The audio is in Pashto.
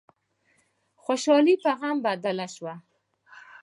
خوشحالي په غم بدله شوه.